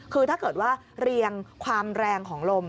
คือถ้าเกิดว่าเรียงความแรงของลม